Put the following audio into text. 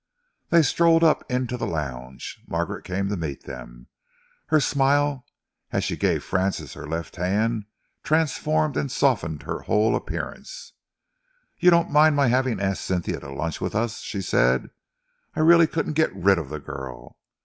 They strolled up into the lounge. Margaret came to meet them. Her smile, as she gave Francis her left hand, transformed and softened her whole appearance. "You don't mind my having asked Cynthia to lunch with us?" she said. "I really couldn't get rid of the girl.